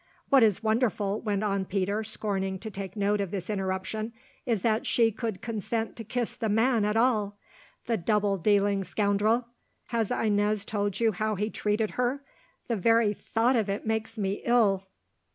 "What is wonderful," went on Peter, scorning to take note of this interruption, "is that she could consent to kiss the man at all. The double dealing scoundrel! Has Inez told you how he treated her? The very thought of it makes me ill."